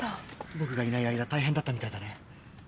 僕がいない間大変だったみたいだね。